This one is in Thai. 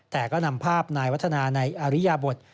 แต่ก็นำภาพนายวัฒนาในอริยบท